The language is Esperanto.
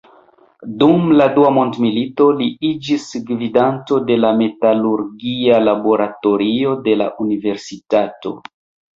Dum la dua mondmilito, li iĝis gvidanto de la metalurgia laboratorio de la universitato.